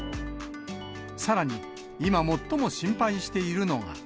さらに、今最も心配しているのが。